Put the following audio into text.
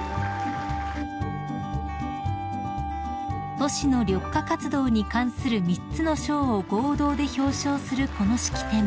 ［都市の緑化活動に関する３つの賞を合同で表彰するこの式典］